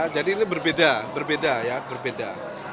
jadi ini berbeda berbeda ya berbeda